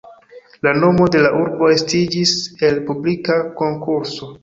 La nomo de la urbo estiĝis el publika konkurso.